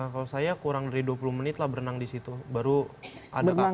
kalau saya kurang dari dua puluh menit lah berenang di situ baru ada kafe